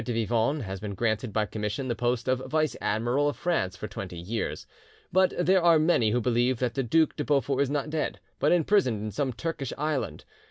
de Vivonne has been granted by commission the post of vice admiral of France for twenty years; but there are many who believe that the Duc de Beaufort is not dead, but imprisoned in some Turkish island.